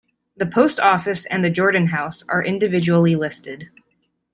The post office and the Jordan House are individually listed.